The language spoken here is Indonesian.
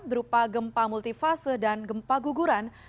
berupa gempa multifase dan gempa guguran